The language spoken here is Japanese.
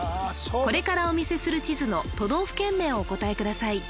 これからお見せする地図の都道府県名をお答えください